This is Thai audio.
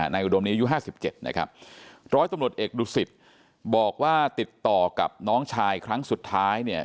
อุดมนี้อายุห้าสิบเจ็ดนะครับร้อยตำรวจเอกดุสิตบอกว่าติดต่อกับน้องชายครั้งสุดท้ายเนี่ย